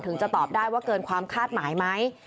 จะตอบได้ว่าเกินความคาดหมายไหม